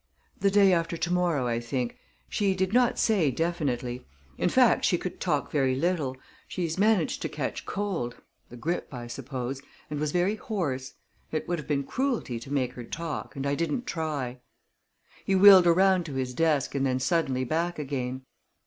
"The day after to morrow, I think. She did not say definitely. In fact, she could talk very little. She's managed to catch cold the grip, I suppose and was very hoarse. It would have been cruelty to make her talk, and I didn't try." He wheeled around to his desk, and then suddenly back again.